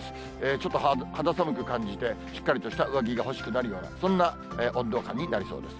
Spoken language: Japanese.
ちょっと肌寒く感じて、しっかりとした上着が欲しくなるような、そんな温度感になりそうです。